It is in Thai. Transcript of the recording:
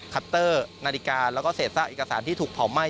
คัตเตอร์นาฬิกาแล้วก็เศษซากเอกสารที่ถูกเผาไหม้